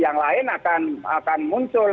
yang lain akan muncul